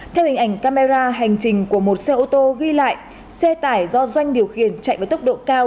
theo hình ảnh camera hành trình của một xe ô tô ghi lại xe tải do doanh điều khiển chạy với tốc độ cao